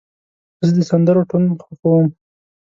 زه د سندرو ټون خوښوم.